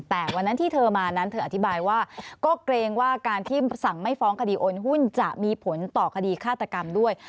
แต่วันนั้นที่เธอมานั้นเธออธิบายว่าก็เกรงว่าการที่สั่งไม่ฟ้องคดีโอนหุ้นจะมีผลต่อคดีฆาตกรรมด้วย